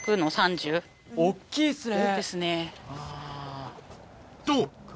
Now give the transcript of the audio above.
大っきいっすね。